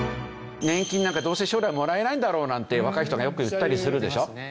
年金なんかどうせ将来もらえないんだろうなんて若い人がよく言ったりするでしょ？